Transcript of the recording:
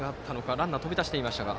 ランナーが飛び出していましたが。